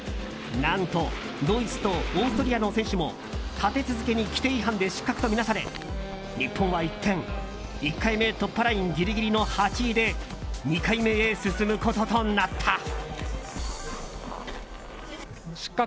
何とドイツとオーストリアの選手も立て続けに規定違反で失格とみなされ日本は一転、１回目突破ラインギリギリの８位で２回目へ進むこととなった。